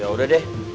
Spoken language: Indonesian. ya udah deh